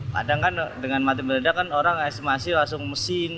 padahal kan dengan mati mendadak kan orang estimasi langsung mesin